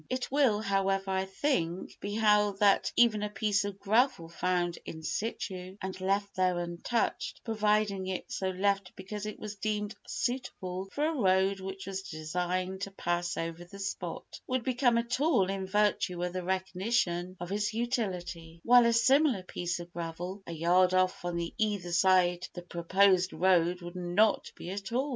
It will, however, I think, be held that even a piece of gravel found in situ and left there untouched, provided it is so left because it was deemed suitable for a road which was designed to pass over the spot, would become a tool in virtue of the recognition of its utility, while a similar piece of gravel a yard off on either side the proposed road would not be a tool.